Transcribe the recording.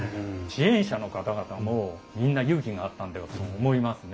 支援者の方々もみんな勇気があったんだと思いますね。